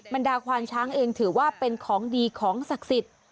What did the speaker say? บรรดาควานช้างเองถือว่าเป็นของดีของศักดิ์สิทธิ์